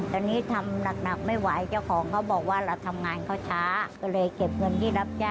ตอนนี้ขายตามสั่งกับลูกชิ้นค่ะ